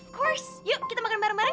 of course yuk kita makan bareng bareng